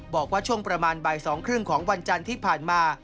บอกว่าช่วงประมาณบ่าย๒๓๐ของวันจันทร์ที่ผ่านมา